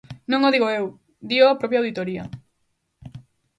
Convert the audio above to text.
Non o digo eu, dío a propia auditoría.